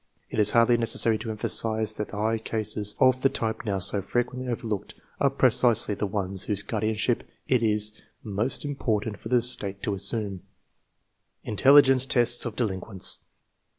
It is hardly necessary to emphasize that the high grade cases, of the type now so frequently overlooked, are precisely the ones whose guardianship it is most important for the State to assume. Intelligence tests of delinquents.